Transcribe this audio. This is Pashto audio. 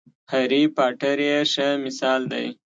هرې پاټر یې ښه مثال دی.